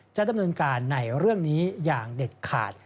จะดำเนินการในเรื่องนี้อย่างเด็ดขาด